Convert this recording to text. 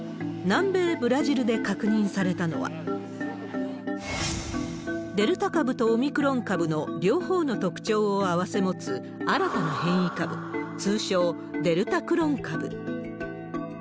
南米ブラジルで確認されたのは、デルタ株とオミクロン株の両方の特徴を併せ持つ新たな変異株、通称、デルタクロン株。